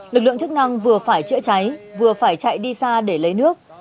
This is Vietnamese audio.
lực lượng chức năng vừa phải chữa cháy vừa phải chạy đi xa để lấy nước